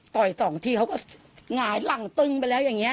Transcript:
ต่อยส่องทีเขาก็หง่ายหลั่งตึงไปแล้วอย่างเงี้ย